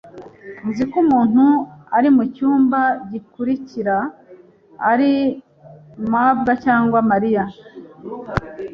Nzi ko umuntu uri mucyumba gikurikira ari mabwa cyangwa Mariya.